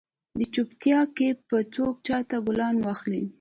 دې چوپیتا کې به څوک چاته ګلان واخلي؟